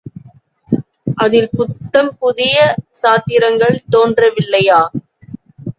அதில் புத்தம் புதிய சாத்திரங்கள் தோன்றவில்லையா?